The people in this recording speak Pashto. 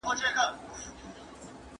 خو د ده روغتیا اوس د پخوا په څېر نه ده.